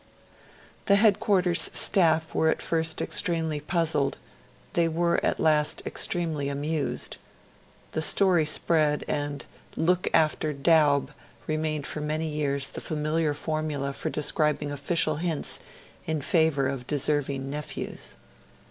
The Headquarters Staff were at first extremely puzzled; they were at last extremely amused. The story spread; and 'Look after Dowb' remained for many years the familiar formula for describing official hints in favour of deserving nephews.